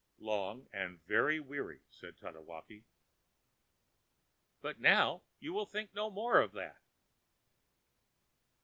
ã ãLong and very weary,ã said Tatewaki. ãBut now you will think no more of that....